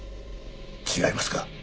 違いますか？